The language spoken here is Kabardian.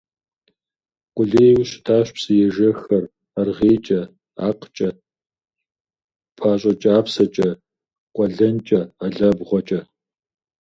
Къулейуэ щытащ псыежэххэр аргъейкӀэ, акъкӀэ, пащӀэкӀапсэкӀэ, къуэлэнкӀэ, алабгъуэкӀэ.